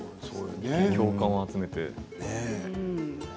共感を集めて。